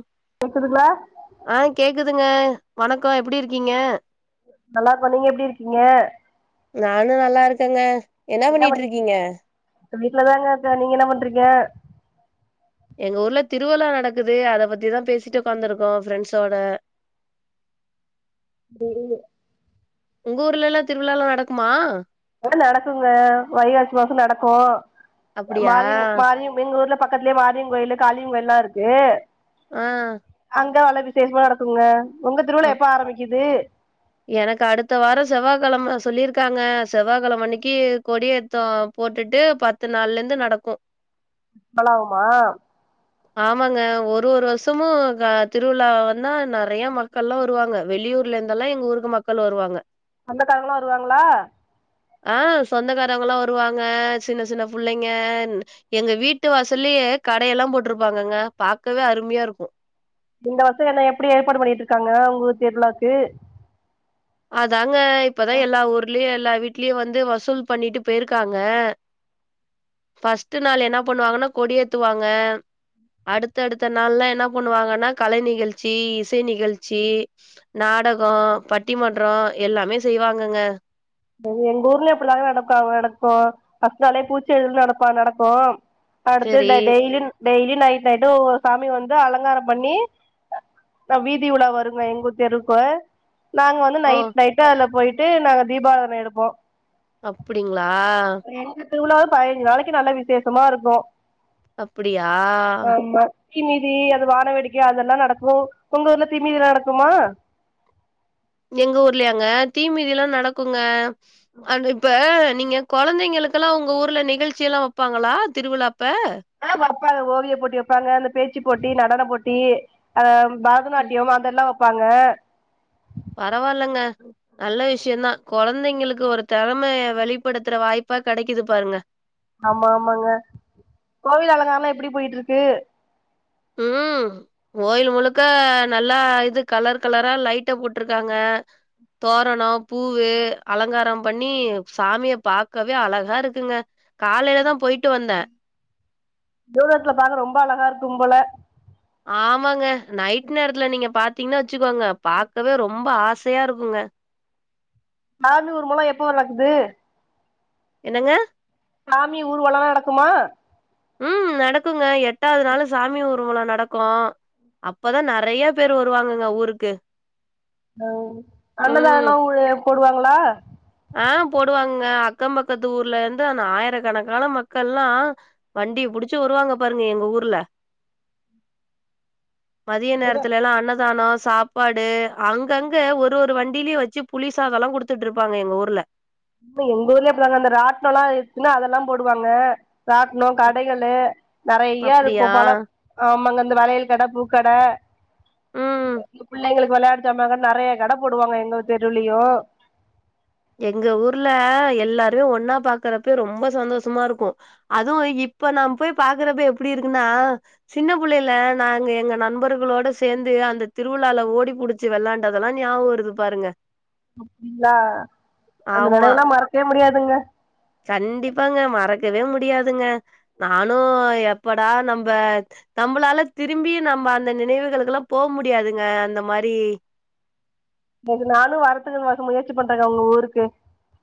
ம் கேக்குதுங்களா ஆ கேக்குதுங்க வணக்கோ எப்டி இருக்கீங்க நல்லாருக்கோ நீங்க எப்டி இருக்கீங்க நானு நல்லா இருக்கங்க என்ன பண்ணிட்டு இருக்கீங்க வீட்லதாங்க இருக்கெ நீங்க என்ன பண்றீங்க எங்க ஊர்ல திருவுழா நடக்குது அத பத்திதா பேசிட்டு உக்காதிருக்கோ ஃப்ரெண்ட்சோட [unintelligible] உங்க ஊர்லில்லா திருவிழால லா நடக்குமா ஆ நடக்குங்க வைகாசி மாசோ நடக்கு அப்டியா மாறிங் மாறியு எங்க ஊர்ல பக்கத்துலே மாரிங் கோயிலு காலியுங் கோயில் லா இருக்கு ஆ அங்க வல விசேஷமா நடக்குங்கா உங்க திருவிழா அப் எப்போ ஆரம்பிக்கிது எனக்கு அடுத்த வாரோ செவ்வாகழம சொல்லியிருக்காங்க செவ்வாகழம அன்னிக்கு கொடியேத்தோ போட்டுட்டு பத்து நாள்ளருந்து நடக்கு பலாவுமா ஆமாங்க ஒரு ஒரு வருஷமு கா திருவிழா வந்தா நறைய மக்கள்லா வருவாங்க வெளியூர் ல்லா இருந்தெல்லா எங்க ஊருக்கு மக்கள் வருவாங்க சொந்தகாரங்களா வருவாங்களா ஆ சொந்தக்காரவ்ங்களா வருவாங்க சின்ன சின்ன புள்ளைங்க எங்க வீட்டு வாசல்லயே கடையெல்லா போட்ருப்பாங்கங்க பாக்கவே அருமையா இருக்கு இந்த வர்ஷ என்ன எப்டி ஏற்பாடு பண்ணிக்கிட்ருக்காங்க உங்க ஊர் திருவிழாக்கு அதாங்க இப்பதா எல்லா ஊர்லையு எல்லா வீட்லையு வந்து வசூல் பண்ணிட்டு போய்ர்க்காங்க ஃபஸ்ட்டு நாள் என்ன பண்ணுவாங்கனா கொடி ஏத்துவாங்க அடுத்த அடுத்த நாள்லா என்ன பண்ணுவாங்கனா கலை நிகழ்ச்சி இசை நிகழ்ச்சி நாடகோ பட்டிமன்றோ எல்லாமே செய்வாங்கங்க அது எங்க ஊர்லையு இப்டிதாங்க நடப்பாங்க நடக்கு ஃபஸ்ட்டு நாலே பூச்செறி விழா சிறப்பா நடக்கு அடுத்து சரி. டெய் டெய்லின் டெய்லியு நைட் நைட்டு ஒவ்வொரு சாமி வந்து அலங்கார பண்ணி ஆ வீதி உழா வருங்க எங்கூர் தெருவுக்கு நாங்க வந்து ஓ! நைட் நைட்டு அதுல போயிட்டு நாங்க தீபாராதன எடுப்போ அப்டிங்ளா எங்கு ஊர் திருவிலா அது பதினஞ்சு நாளைக்கு நல்லா விசேஷமா இருக்கு அப்படியா? ஆமா தீ மீதி அது வான வெடிக்கை அதெல்லா நடக்கு ஒங்க ஊர்ல தீ மீதி நடக்குமா எங்க ஊர்லையாங்க தீ மிதிலா நடக்குங்க அது இப்ப நீங்க கொழந்தைங்களுக்கெல்லா உங்க ஊர்ல நிகழ்ச்சி எல்லா வெப்பாங்களா திருவிழா அப்ப ஆ வெப்பாங்க ஓவிய போட்டி வெப்பாங்க அந்த பேச்சு போட்டி நடன போட்டி ஆம் ம் பரதநாட்டியம் அதெல்லா வெப்பாங்க பரவால்லங்க நல்ல விஷ்யந்தா கொழந்தைங்களுக்கு ஒரு தெறமைய வெளிப்படுத்துற வாய்பா கெடைக்குது பாருங்க ஆமா ஆமாங்க கோவில் அழங்காரல்லா எப்டி போயிக்கிட்ருக்கு ம் கோயில் முழுக்கா நல்லா இது கலர் கலரா லைட்ட போட்ருக்காங்க தோரண பூவு அலங்காரம் பண்ணி சாமிய பாக்கவே அழகா இருக்குங்க காலைலதா போய்ட்டு வந்தே தூரத்த்துல பாக்க ரொம்ப அழகா இருக்கும் போல ஆமாங்க நைட்டு நேரத்துல நீங்க பாத்தீங்னா வெச்சிக்கோங்க பாக்கவே ரொம்ப ஆசையா இருக்குங்க மாமி ஊர்மொலோ எப்போ வரக்குது என்னங்க சாமி ஊர்வலலா நடக்குமா ம் நடக்குங்கா எட்டாவ்து நாளு சாமி ஊர்வல நடக்கு அப்பதா நெறைய பேரு வருவாங்கங்க ஊர்ருக்கு ஓ ம். அன்னதானல்லா ஊருல போடுவாங்களா ஆ போடுவாங்கங்க அக்கம் பக்கத்து ஊர்லருந்து அந்த ஆயிரக்கணக்கான மக்கள்லா வண்டிய புடிச்சி வருவாங்க பாருங்க எங்க ஊர்ல மதிய ர நேரத்துலேலா அன்னதான சாப் பாடு அங்கங்க ஒரு ஒரு வண்டிலயு வெச்சு புளிசாதோலா குடுத்துட்ருப்பாங்க எங்க ஊர்ல அ எங்க ஊர்லயு அப்டிதாங்க அந்த ராட்னோலா இருந்ச்சுனா அதல்லா போடுவாங்க ராட்னோ அப் கடைங்களு நெறையா இருக்கு அப்படியா? பழம் ஆமாங்க இந்த வளையல் கட பூக்கட ம். இந்த புள்ளைங்களுக் வெளயாட்டுசாமாங்கட் நெறைய கட போடுவாங்க எங்கவ் தெருவுலயு எங்க ஊர்ல எல்லாருமே ஒன்னா பாக்குறப்பயே ரொம்ப சந்தோஷமா இருக்கு அதுவு இப்ப நா போய் பாக்குறப்ப எப்டி இருக்குனா சின்ன புள்ளேலே நாங்க எங்க நண்பர்குளோட சேந்து அந்த திருவுழால ஓடி புடு ச்சு வெளாண்டதலா ஞாபு வருது பாருங்க அப்டிங்ளா அந்த ஆமா நெனைவுலா மறக்கவே முடியாதுங்க கண்டிப்பாங்க மறக்கவே முடியாதுங்க நானு எப்படா நம்ப நம்முளால திரும்பி நம்ப அந்த நினைவுகளுக்குலா போ முடியாதுங்க அந்த மாரி இன்னைக்கு நானு வரத்துக்குன் வசொ முயற்சி பண்றங்க உங்க ஊருக்கு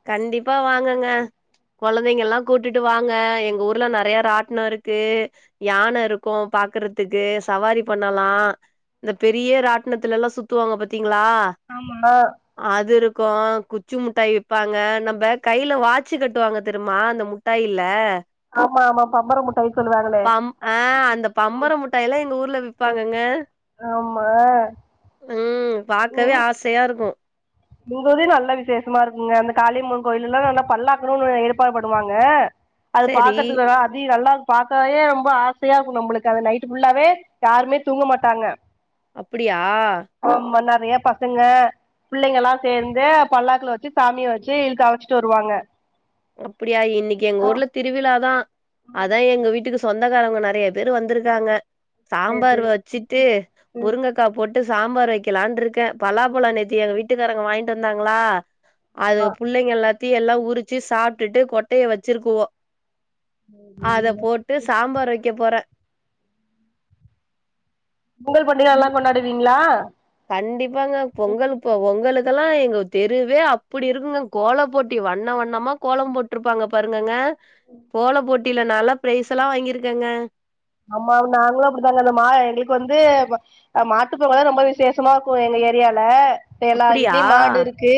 கண்டிப்பா வாங்கங்க கொழந்தைங்கலா கூட்டிட்டு வாங்க எங்க ஊர்ல நறையா ராட்னோ இருக்கு யான இருக்கு பாக்கறதுக்கு சவாரி பண்ணலா இந்த பெரிய ராட்னத்துலலா சுத்துவாங்க பாத்தீங்ளா ஆ அது இருக்கு குச்சி முட்டாயி விப்பாங்க நம்ப கைல வாச்சு கட்டுவாங்க தெருமா அந்த முட்டாயில ஆமா ஆமா பம்பர முட்டாய் சொல்லுவாங்களே பம் ஆ அந்த பம்பர முட்டாயலா எங்க ஊர்ல விப்பாங்கங்க ஆமா ம் பாக்கவே ஆசையா இருக்கு எங் ஊர்ல்யு நல்லா விசேஷமா இருக்குங்க அந்த காளியம்மன் கோய்லலா நல்லா பல்லாக்குணு ஒன்னு ஏற்பாடு பண்ணுவாங்க அது சேரி பாக்கர்துக்குலா அதி நல்லா பாக்கவயே ரொம்ப ஆசையா இருக்கு நம்முலுக்கு அந்த நைட்டு ஃபுல்லாவே யாருமே தூங்க மாட்டாங்க அப்புடியா ஆமா நெறையா பசங்க பிள்ளைங்கலா சேர்ந்து பல்லாக்குல வச்சு சாமிய வச்சு இழுத்து அலச்சிட்டு வருவாங்க அப்பிடியா இன்னிக்கு எங்க ஊர்ல திருவிழாதா அதா எங்க வீட்டுக்கு சொந்தக்காரவ்ங்க நறைய பேரு வந்திருக்காங்க சேரி சாம்பாரு சேரி வச்சுட்டு ம் முருங்க க்கா போட்டு சாம்பார் வைக்கலான்ட்ருக்க பலாபழோ நேத்தி எங்க வீட்டுக்காரங்க வாய்ன்ட்டு வந்தாங்ளா அது புள்ளைங்க எல்லாத்தையு எல்லா உரிச்சு சாப்டுட்டு கொட்டைய வச்சிருக்குவோ அத ம் போட்டு சாம்பார் வைக்க போற பொங்கல் பண்டிக நல்லா கொண்டாடுவீங்ளா கண்டிப்பாங்க பொங்கலு பொ பொங்கலுக்கெல்லா எங்க தெருவே அப்புடி இருக்குங்க கோல போட்டி வண்ண வண்ணமா கோலோ போட்ருப்பாங்க பாருங்கங்க கோல போட்டில நாலா பிரைசலா வாங்கிருக்கங்க ஆமா நாங்ளு அப்டித்தாங்க அந்த மா எங்ளுக்கு வந்து அ மாட்டுப்பொங்கல்தா ரொம்ப விசேஷமா இருக்கு எங்க ஏரியால எல்லா அப்டியா வீட்லயு மாடு இருக்கு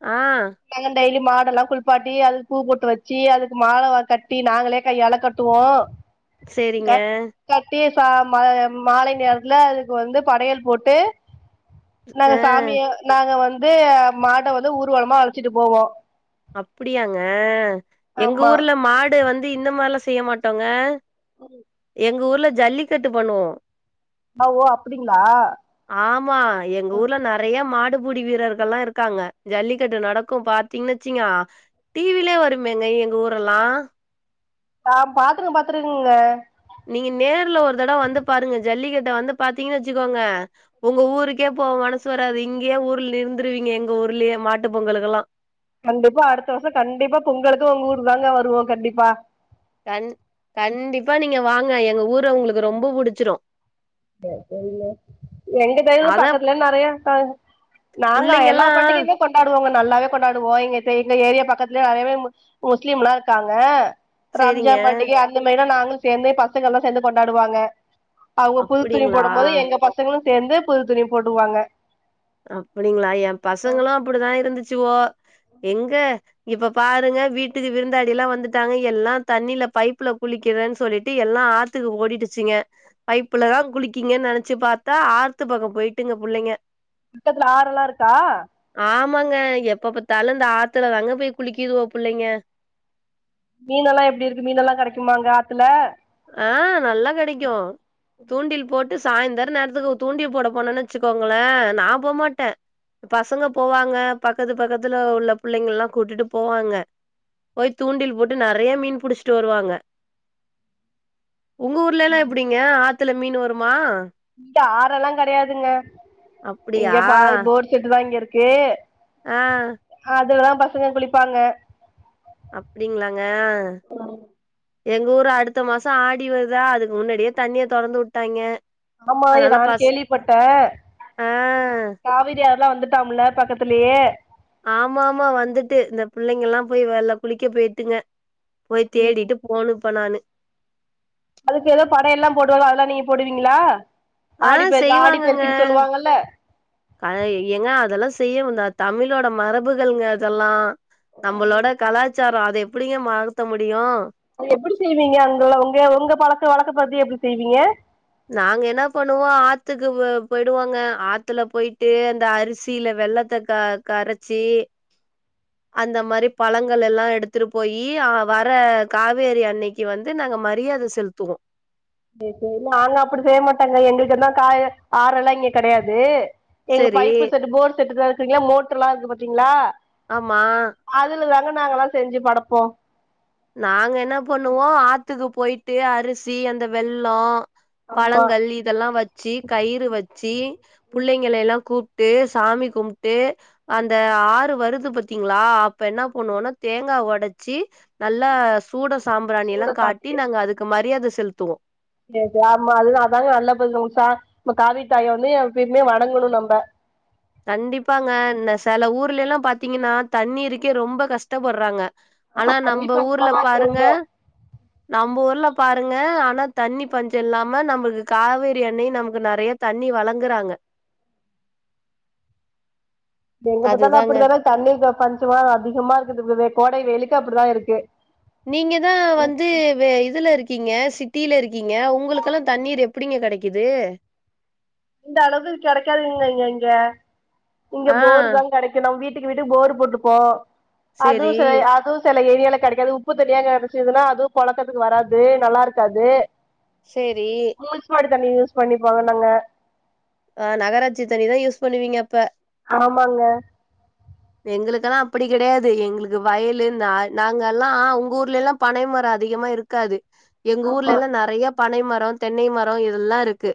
ஆ நாங்க டெய்லியு மாடெல்லா குள்பாட்டி அதுக்கு பூ பொட்டு வச்சு அதுக்கு மால வா கட்டி நாங்களே கையால் கட் துவோ சேரிங்க கட்டி ச மா மாலை நேரத்துல அதுக்கு வந்து படையல் போட்டு நாங்க ஆ சாமிய நாங்க வந்து மாட வந்து ஊர்வலமா அழச்சிட்டு போவோ அப்புடியாங்க எங்க ஆமா ஊர்ல மாடு வந்து இந்த மார்லா செய்ய மாட்டோங்க ஒரு எங்க ஊர்ல ஜல்லிக்கட்டு பண்ணுவோ ஆ ஓ அப்டிங்களா ஆமா எங்க ஊர்ல ந நெறய மாடுபுடி வீரர்கள்ல்லா இருக்காங்க ஜல்லிக்கட்டு நடக்கூ பாத்தீங்ன்னா சிங்கா டீவீலே வருமேங்க எங்க ஊரல்லா பா பாத்ருங்க பாத்துருங் க நீங்க நேர்ல ஒரு தட வந்து பாருங்க ஜல்லிக்கட்ட வந்து பாத்தீங்கன்னு வச்சுக்கோங்க உங்க ஊருக்கே போ மனசு வராது இங்கேயே ஊர்ல இருந்துருவீங்க எங்க ஊர்லேயே மாட்டு பொங்கலுகெல்லா கண்டிப்பா அடுத்த வருஷ கண்டிப்பா பொங்கலுக்கு ஒங்க ஊர் தாங்க வருவோ கண்டிப்பா கண் கண்டிப்பா நீங்க வாங்க எங்க ஊர உங்களுக்கு ரொம்ப புடிச்சிரும் எங்க தெருல அதா பக்கத்துல நறையா வித்தாங் நாங்க எல்லா புள்ளைங்கல்லா பண்டிகையுமே கொண்டாடுவோங்க நல்லாவே கொண்டாடுவோம் இங்க சைட்ல ஏரியா பக்கத்துலயே நெறையவே முஸ்லீம் எல்லா இருக்காங்க ரம்ஜா சேரிங்க பாண்டிகை அந்த மாரிலா நாங்களு சேந்தே பசங்கள்ல்லா சேந்து கொண்டாடுவாங்க அ புது துணி அப்டிங்களா போடும் போது எங்க பசங்களு சேந்து புது துணி போடுவாங்க அப்டிங்களா ஏ பசங்களும் அப்டிதா இருந்துச்சுவோ எங்க இப்ப பாருங்க வீட்டுக்கு விருந்தாடி எல்லா வந்துட்டாங்க எல்லா தண்ணியில பைப்ல குளிக்கிறேன்னு சொல்லிட்டு எல்லா ஆத் த்துக்கு ஓடிட்டுச்சுங்க பைப்புலதா குளிக்கீங்கன் நெனச்சு பாத்தா ஆத்து பக்கொ போய்ட்டுங்க புள்ளைங்க த்ல [unintelligible] இருக்கா ஆமாங்க எப்ப பாத்தாலும் இந்த ஆத்துல தாங்க போய் குளிக்கிதுவ புள்ளைங்க மீன்னெல்லா எப்டி இருக்கு மீன்னெல்லா கெடைக்குமா அங்க ஆத்துல ஆ நல்லா கெடக்கு தூண்டில் போட் ட்டு சாய்ந்தர நேரத்துக்கு தூண்டி போட போனும்ன்னு வச்சுக்கோங்களே நா போமாட்டே பசங்க போவாங்க பக்கத்து பக்கத்துல உள்ள புள்ளைங்கலல்லா கூட்டிட்டு போவாங்க போய் தூண்டில் போட்டு நெறைய மீன் புடிச்சிட்டு வருவாங்க உங்க ஊர்லல்லா எப்டிங்க ஆத்துல மீன் வருமா இங்க ஆறெல்லா கெடையாதுங்க அப்டியா இங்க பாதி போர் செட் தா இங்க இருக்கு ஆ அதுலதா பசங்க குளிப்பாங்க அப்டிங்களாங்க எங்க ஊரு அடுத்த மாசோ ஆடி வருதா அதுக்கு முன்னாடியே தண்ணிய தொறந்து விட்டாங்கெ ஆமா இ நானூ கேள்விப்பட்டே ஆ கெ காவிரி ஆறல்லா வந்துட்டாம்ல பக்கத்துலேயே ஆமா ஆமா வந்துட்டு இந்த புள்ளைங்க எல்லா போய் வெள்ள குளிக்க போய்ட்டுங்க போய் தேடிட்டு போனு இப்ப நானு அதுக்கு ஏதோ படை எல்லா போடுவாங்களே அதெல்லா நீங்க போடுவீங்களா ஆ ஆடிப்பெருக்கு ஆடி பெருக்குன்னு சொல்லுவாங்கல்ல அத ஏங்க அதெல்லா செய்யனுந்தா தமிழோட மரபுகள்ங்க அதல்லா நம்பளோட கலாச்சாரொ அத எப்டிங்க மாத்த முடியு அத் எப்டி செய்வீங்க அங்க உங்க உங்க பழக்க வழக்க பத்தி எப்டி செய்வீங்க நாங்க என்ன பண்ணுவோ ஆத்துக்கு போயிடுவோங்க ஆத்துல போயிட்டு அந்த அரிசியில வெல்லத்த க கரச்சி அந்த மாரி பழங்கள் எல்லா எடுத்துட்டு போயி் வர்ற காவேரி அன்னைக்கு க்கி வந்து நாங்க மரியாத செலுத்துவோ சரி சரி நாங்க அப்டி செய்ய மாட்டாங்க எங்களுக்கு தா காய ஆறு எல்லா இங்கெ கெடையாது எங்க செரி பைப்பு செட் போர் செட்டுதா இருக்கீங்களா மோட்ருல்லா இருக்கு பாத்தீங்ளா ஆமா அதுல தாங்க நாங்க எல்லா செஞ்சு படப்போ நாங்க என்ன பண்ணுவோம் ஆத்துக்கு போயிட்டு அரிசி அந்த வெல்லோ ஆமா பழங்கள் இதெல்லா வச்சி கயிறு வச்சி புள்ளைங்கள எல்லா கூப்புட்டு சாமி கும்புட்டு அந்த ஆறு வருது பாத்தீங்ளா அப்ப என்னா பண்ணுவோனா தேங்கா ஒடச்சி நல்லா சூடோ சாம்பிராணியலா காட்டி நாங்க அதுக்கு மரியாத செல்த்துவோ சேர் சேர் ஆமா அதுதா அதாங்க நல்ல பேசுற உங்குளுக் சா நம்ம காவிரித்தாய வந்து எப்பய்மே வணங்கணு நம்ப கண்டிப்பாங்க இந்த செல ஊர்லேலா பாத்தீங்குனா தண்ணீருக்கே ரொம்ப கஷ்டப்பட்றாங்க ஆமா ஆனா தண்ணி நம்ப பஞ்சமா ஊர்ல தா இருக்கு பாருங்க ரொம்ப நம்ப ஊர்ல பாருங்க ஆனா தண்ணி பஞ்ச இல்லாம நம்பளுக்கு காவேரி அண்ணயு நமக்கு நறைய தண்ணி வழங்குறாங்க எங்க பாத்தாலு அதுதாங்க அப்படித்தானே தண்ணிக்கு பஞ்சமா அதிகமா இருக்குது கோடை வெயிலுக்கு அப்படிதா இருக்கு நீங்க தா வந்து வே இதுல இருக் கிங்க சிட்டியில இருக்கீங்க உங்களுக்கெல்லா தண்ணீர் எப்படிங்க கடைக்குது இந்த அளவு கிடைக்காதுங்க இங்க இங்க இங்க ஆ போர் தா கடை கு நம் வீட்டுக்கு வீடு போர் போட்ருப்போ அதுவு சேரி ச அதுவு சில ஏரியால கிடைக்காது உப்பு தண்ணியாக் கிடச்சுதுனா அது பொழக்கத்துக்கு வராது நல்லா இருக்காது சேரி போஸ்மாடு தண்ணி யூஸ் பண்ணிப்போங்க நாங்க ஆ நகராட்சி தண்ணிதா யூஸ் பண்ணுவீங்க அப்ப ஆமாங்க எங்களுக்கெல்லா அப்படி கிடையாது எங்களுக்கு வயலு இந்த நா நாங்க எல்லா உங்க ஊர்ல எல்லா பனைமர அதிகமா இருக் காது எங்க ஊர்ல எல்லா நறைய பனை மரோ தென்னை மரோ எல்லா இருக்கு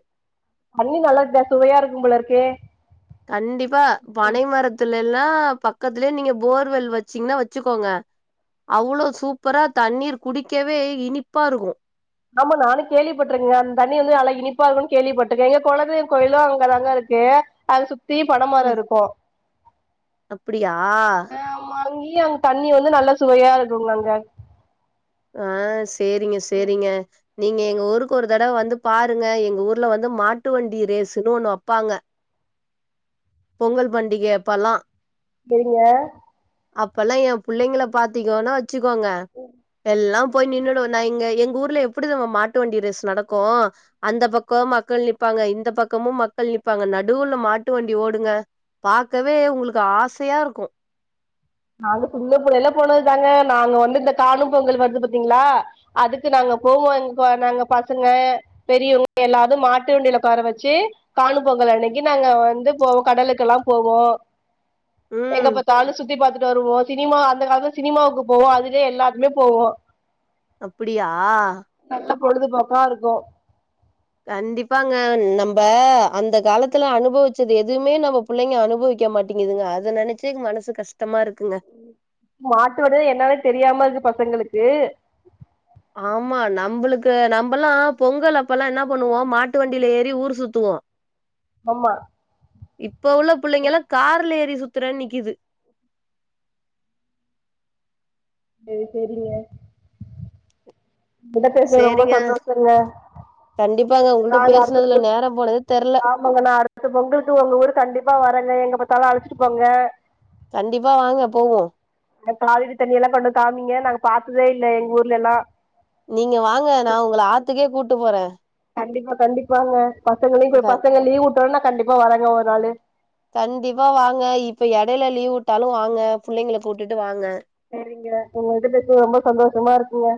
தண்ணி நல்லதுதா சுவையா இருக்கும்போல இருக்கே கண்டிப்பா பனை மரத்துல எல்லா பக்கத்துலே நீங்க போர்வெல் வச்சீங்ன்னா வச்சுக்கோங்க அவ்ளோ சூப்பரா தண்ணீர் குடிக்கவே இனிப்பா இருக்கு ஆமா நானு கேள்விப்பட்ருங் அந் தண்ணி வந்து அலை இனிப்பா இருக்குன் கேள்விப்பட்டிருக்கே எங்க கொலதெய்வ் கோயிலு அங்கதாங்க இருக்கு அது சுத்தி பனமர ம் இருக்கு அப்டியா அ வாங்கி அங் தண்ணி வந்து நல்லா சுவையா இருக்குங்க அங்க ஆ சேரிங்க சேரிங்க நீங்க எங்க ஊருக்கு ஒரு தடவ வந்து பாருங்க எங்க ஊர்ல வந்து மாட்டு வண்டி ரேசுன்னு ஒண்ணு அப்பாங்க பொங்கல் பண்டிக அப்பல்லா நீங்க அப்பெல்லா எ புள்ளைங்கல பாத்திங்கோன்னா வச்சுக்கோங்க எல்லாம் போய் நின்னுடு நா இங்க எங்க ஊர்ல எப்படி தெரியுமா நம்ம மாட்டு வண்டி ரெஸ் நடக்கு அந்த பக்கோ மக்கள் நிப்பாங்க இந்த பக்கமு மக்கள் நிப்பாங்க நடுவுல மாட்டு வண் டி ஓடுங்க பாக்கவே உங்களுக்கு ஆசையா இருக்கு நாங்க சின்ன புள்ளையில போனது தாங்க நாங்க வந்து இந்த காணும் பொங்கல் வருது பாத்தீங்களா அதுக்கு நாங்க போவோ எங்க நாங்க பசங்க பெரியவங்க எல்லாரு மாட்டு வண்டியில உக்கார வச்சு காணு பொங்கல் அன்னைக்கு நாங்க வந்து போவோ கடலுக்கெல்லா போவோ ம் எங்கப்பாத்தாலு சுத்தி பாத்து டு வருவோ சினிமா அந்த காலத்துல சினிமாவுக்கு போவோ அதுவே எல்லாருக்குமே போவோ அப்படியா நல்ல பொழுதுபோக்கா இருக்கு கண்டிப்பாங்க நம்ப அந்த காலத்துல அனுபவிச்சது எதுமே நம்ப புள்ளைங்க அனுபவிக்க மாட்டிங்குதுங்க அத நெனச்சு மனசு கஷ்டமா இருக்குங்க மாட்டு வடு என்னானே தெரியாம இருக்கு பசங்களுக்கு ஆமா நம்பளுக்கு நம்பல்லா பொங்கல் அப்பல்லா என்னா பண்ணுவோ மாட்டு வண்டியில ஏறி ஊர் சுத்துவோ ஆமா இப்ப உள்ள புள்ளைங்க எல்லா கார்ல ஏறி சுத்துறேன் நிக்குது செரி செரிங்க உங்கிட்ட பேசுனது ரொம்ப சேரிங்க சந்தோஷங்க கண்டிப்பாங்க உங்கள்ட்ட நாங்க அடுத்த பொ பேசுனதுல நேரோ போனதே தெர்ல ஆமாங்க நா அடுத்த பொங்களுக்கு உங்க ஊருக்கு கண்டிப்பா வரேங்க எங்க பாத்தாலு அழச்சிட்டு போங்க கண்டிப்பா வாங்க போவு அந்த காவேரி தண்ணியெல்லா கொண்டு வந்து காமிங்க நாங்க பாத்ததே இல்ல எங்க ஊர்லல்லா நீங்க வாங்க நா உங்கள ஆத்துக்கே கூட்டு போறே கண்டிப்பா கண்டிப்பாங்க பசங்களையு க பசங்க லீவ் வுட்டோன்ன கண்டிப்பா வரேங்க ஒரு நாளு கண்டிப்பா வாங்க இப்ப எடையில லீவ் வுட்டாலு வாங்க புள்ளங்களை கூட்டுட்டு வாங்க செரிங்க உங்ககிட்ட பேசுனது ரொம்ப சந்தோஷமா இருக்குங்க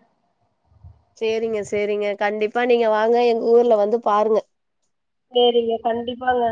சேரிங்க சேரிங்க கண்டிப்பா நீங்க வாங்க எங்க ஊர்ல வந்து பாருங்க சேரிங்க கண்டிப்பாங்க